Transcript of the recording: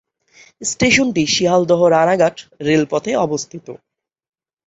স্টেশনটি শিয়ালদহ-রানাঘাট রেলপথে অবস্থিত।